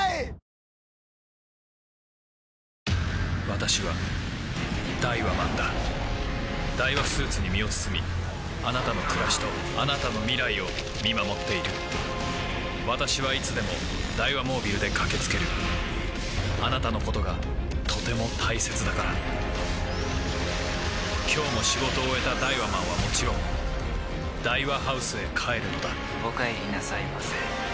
私はダイワマンだダイワスーツに身を包みあなたの暮らしとあなたの未来を見守っている私はいつでもダイワモービルで駆け付けるあなたのことがとても大切だから今日も仕事を終えたダイワマンはもちろんダイワハウスへ帰るのだお帰りなさいませ。